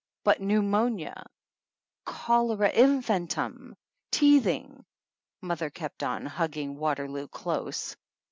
"But pneumonia ! Cholera inf antum ! Teeth ing!" Mother kept on, hugging Waterloo close.